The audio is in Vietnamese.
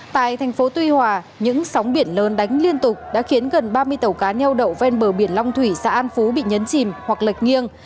tại thành phố tuy hòa những sóng biển lớn đánh liên tục đã khiến gần ba mươi tàu cá neo đậu ven bờ biển long thủy xã an phú bị nhấn chìm hoặc lật nghiêng